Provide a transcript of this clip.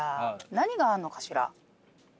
何があんのかしら。